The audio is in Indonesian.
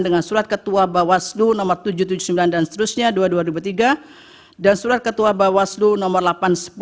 dengan surat ketua bawaslu no tujuh ratus tujuh puluh sembilan dan seterusnya dan surat ketua bawaslu no delapan ratus sepuluh dan seterusnya